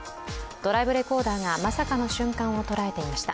ドライブレコーダーがまさかの瞬間を捉えていました。